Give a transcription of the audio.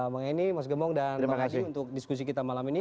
mengeni mas gembong dan pak gaji untuk diskusi kita malam ini